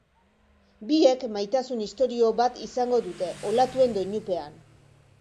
Biek maitasun istorio bat izango dute, olatuen doinupean.